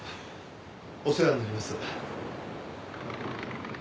お世話になります。